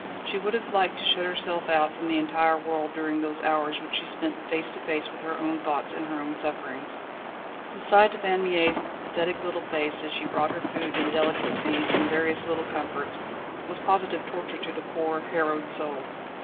She would have liked to shut herself out from the entire world during those hours which she spent face to face with her own thoughts and her own sufferings. The sight of Anne Mie's pathetic little face as she brought her food and delicacies and various little comforts, was positive torture to the poor, harrowed soul.